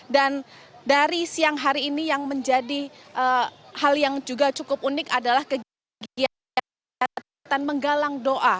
dan dari siang hari ini yang menjadi hal yang juga cukup unik adalah kegiatan menggalang doa